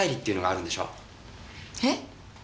えっ？